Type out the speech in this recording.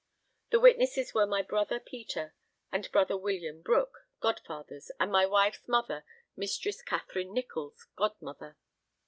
The witnesses were my brother Peter and brother William Brooke, godfathers, and my wife's mother, Mistress Katherine Nicholls, godmother.